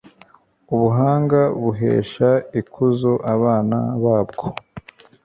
ubuhanga buhesha ikuzo abana babwo